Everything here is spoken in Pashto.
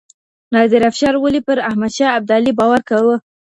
نادر افشار ولي پر احمد شاه ابدالي باور کاوه؟